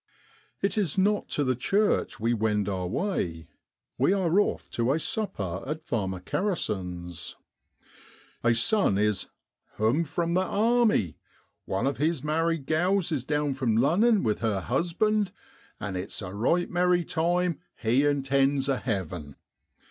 It is not to the church we wend our way; we are off to a sup per at Farmer Kerrison's. A son is 'hoarn from th' army, one of his married gals is down from Lunnen with her husband, and it's a right merry time he intends a havin'.